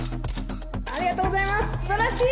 ・ありがとうございますすばらしい。